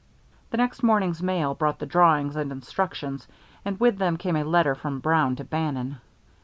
The next morning's mail brought the drawings and instructions; and with them came a letter from Brown to Bannon.